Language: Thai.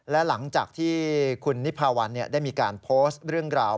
และหลังจากที่คุณนิพาวันได้มีการโพสต์เรื่องราว